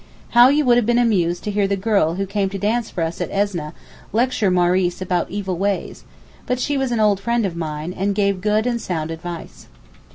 How you would have been amused to hear the girl who came to dance for us at Esneh lecture Maurice about evil ways, but she was an old friend of mine, and gave good and sound advice.